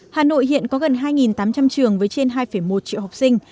hà nội hiện có gần hai tám trăm linh trường với trên hai một triệu học sinh